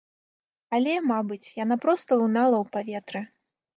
Але, мабыць, яна проста лунала ў паветры.